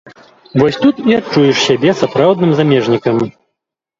Вось тут і адчуеш сябе сапраўдным замежнікам.